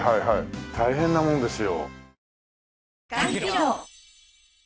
大変なものですよ。